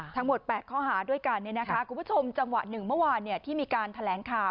ทั้งหมด๘ข้อหาด้วยกันเนี่ยนะคะคุณผู้ชมจังหวะ๑เมื่อวานเนี่ยที่มีการแถลงข่าว